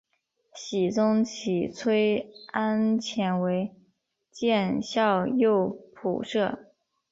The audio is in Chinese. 僖宗起崔安潜为检校右仆射。